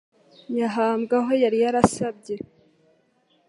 Yahambwe aho yari yarasabye